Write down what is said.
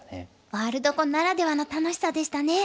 ワールド碁ならではの楽しさでしたね。